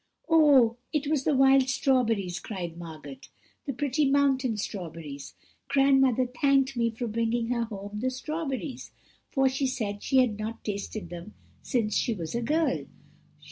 "'Oh! it was the wild strawberries,' cried Margot; 'the pretty mountain strawberries. Grandmother thanked me for bringing her home the strawberries, for she said she had not tasted them since she was a girl.'